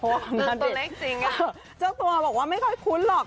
เพราะว่าผมน่าเด็กเจ้าตัวบอกว่าไม่ค่อยคุ้นหรอก